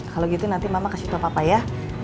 kalau gitu nanti mama kasih tau papa ya